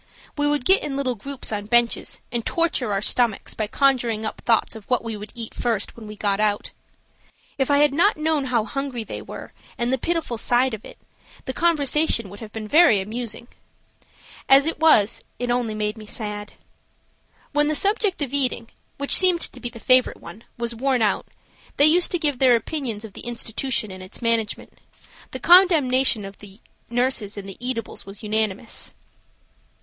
We would get in little groups on benches and torture our stomachs by conjuring up thoughts of what we would eat first when we got out. If I had not known how hungry they were and the pitiful side of it, the conversation would have been very amusing. As it was it only made me sad. When the subject of eating, which seemed to be the favorite one, was worn out, they used to give their opinions of the institution and its management. The condemnation of the nurses and the eatables was unanimous.